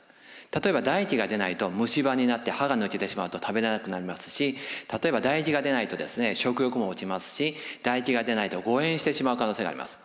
例えば唾液が出ないと虫歯になって歯が抜けてしまうと食べられなくなりますし例えば唾液が出ないと食欲も落ちますし唾液が出ないと誤嚥してしまう可能性があります。